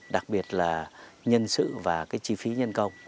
đặc biệt là nhân sự và cái chi phí nhân công